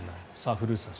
古内さん